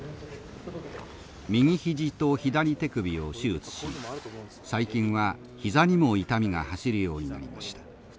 右ひじと左手首を手術し最近はひざにも痛みが走るようになりました。